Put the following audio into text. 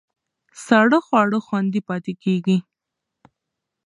ساړه خواړه خوندي پاتې کېږي.